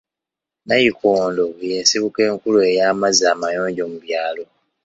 Nayikondo y'ensibuko enkulu ey'amazzi amayonjo mu byalo.